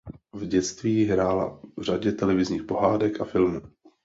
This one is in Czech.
V dětství hrála v řadě televizních pohádek a filmů.